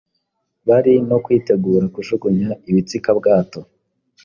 bari no kwitegura kujugunya ibitsikabwato